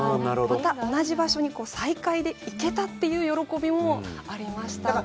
また同じ場所に再開で行けたという喜びもありました、今回。